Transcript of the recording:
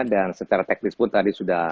dan setara teknis pun tadi sudah